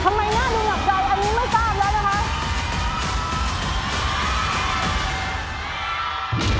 ทำไมหน้าดูหนักใจอันนี้ไม่ทราบแล้วนะคะ